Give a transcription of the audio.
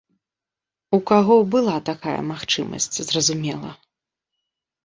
У каго была такая магчымасць, зразумела.